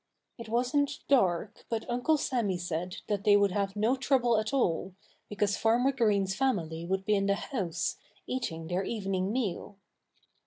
It wasn't dark, but Uncle Sammy said that they would have no trouble at all, because Farmer Green's family would be in the house, eating their evening meal.